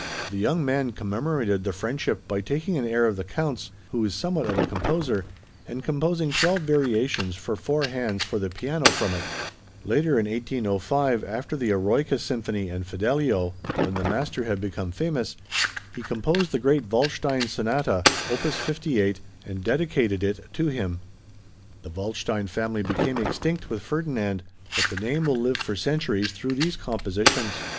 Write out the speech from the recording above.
The young man commemorated the friendship by taking an air of the Count's, who was somewhat of a composer, and composing twelve variations for four hands for the piano from it. Later, in 1805, after the Eroica Symphony and Fidelio, when the master had become famous, he composed the great Waldstein Sonata, opus 58, and dedicated it to him. The Waldstein family became extinct with Ferdinand, but the name will live for centuries through these compositions.